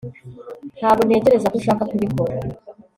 Ntabwo ntekereza ko ushaka kubikora